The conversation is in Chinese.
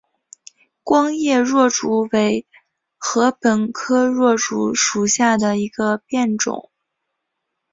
光叶箬竹为禾本科箬竹属下的一个变种。